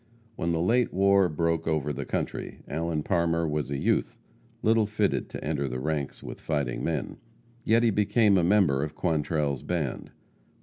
When the late war broke over the country, Allen Parmer was a youth, little fitted to enter the ranks with fighting men. Yet he became a member of Quantrell's band.